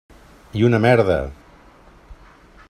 I una merda!